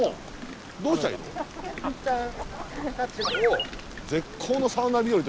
どうしたらいいの？